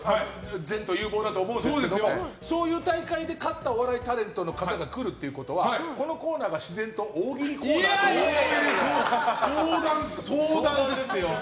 前途有望だと思うんですけれどもそういう大会で勝ったお笑いタレントの方が来るということはこのコーナーが自然といやいや相談ですよ。